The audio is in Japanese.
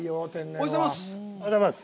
おはようございます。